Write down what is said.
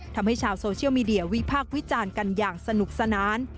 ทำให้ชาวโซเชียลมีเดียวิพากษ์วิจารณ์กันอย่างสนุกสนาน